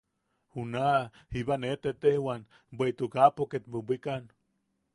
Junaʼa jiba nee tetejwan bweʼituk aapo ket bwibwikan.